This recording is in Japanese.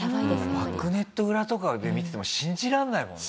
バックネット裏とかで見てても信じられないもんね。